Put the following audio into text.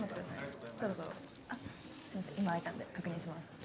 今空いたんで確認します。